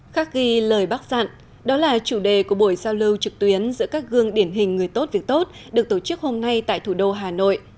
khắc ghi lời bác dặn đó là chủ đề của buổi giao lưu trực tuyến giữa các gương điển hình người tốt việc tốt được tổ chức hôm nay tại thủ đô hà nội